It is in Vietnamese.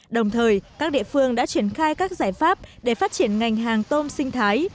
đồng thời các địa phương đã triển khai các giải pháp để phát triển ngành hàng tôm sinh thái